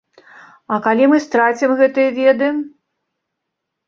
А калі мы страцім гэтыя веды?